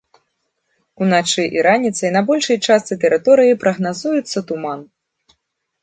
Уначы і раніцай на большай частцы тэрыторыі прагназуецца туман.